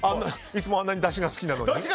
いつもあんなにだしが好きなのに。